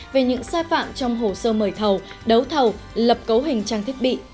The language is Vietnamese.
về những sai phạm trong hồ sơ mời thầu đấu thầu lập cấu hình trang thiết bị